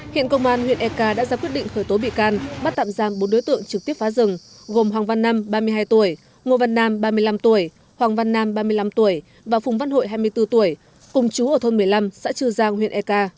hiện công an huyện eka đã ra quyết định khởi tố bị can bắt tạm giam bốn đối tượng trực tiếp phá rừng gồm hoàng văn nam ba mươi hai tuổi ngô văn nam ba mươi năm tuổi hoàng văn nam ba mươi năm tuổi và phùng văn hội hai mươi bốn tuổi cùng chú ở thôn một mươi năm xã chư giang huyện eka